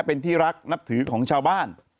เป็นที่รักนับถือของชาวบ้าน